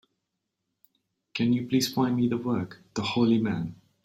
Can you please find me the work, The Holy Man?